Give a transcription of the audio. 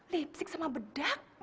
lipsik sama bedak